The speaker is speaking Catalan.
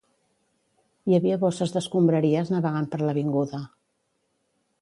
Hi havia bosses d'escombraries navegant per l'avinguda